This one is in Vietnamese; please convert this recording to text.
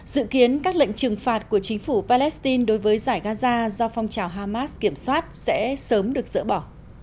dự kiến các lệnh trừng phạt của chính phủ palestine đối với giải gaza do phong trào hamas kiểm soát sẽ sớm được dỡ bỏ